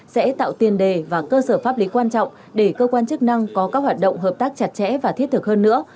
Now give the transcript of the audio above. sẽ tạo tiền đề và cơ sở pháp lý quan trọng để cơ quan chức năng có các hoạt động hợp tác chặt chẽ và thiết thực hơn nữa